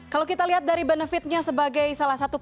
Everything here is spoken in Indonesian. kalau kita lihat dari benefitnya sebagai salah satu